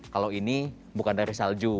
kalau ini bukan dari salju